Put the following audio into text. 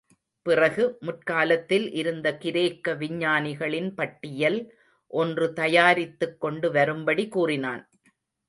பிறகு, முற்காலத்தில் இருந்த கிரேக்க விஞ்ஞானிகளின் பட்டியல் ஒன்று தயாரித்துக்கொண்டு வரும்படி கூறினான்.